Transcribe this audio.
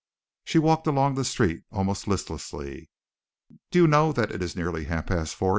She walked along the street almost listlessly. "Do you know that it is nearly half past four?"